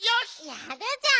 やるじゃん。